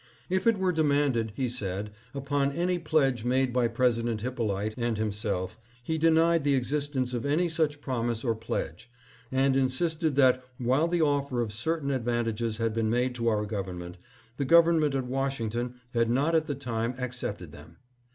If it were demanded, he said, upon any pledge made by President Hyppolite and himself, he denied the existence of any such prom ise or pledge, and insisted that, while the offer of cer tain advantages had been made to our government, the government at Washington had not at the time ac cepted them.